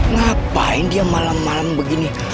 ngapain dia malam malam begini